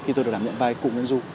khi tôi được đảm nhận vai cụ nguyễn du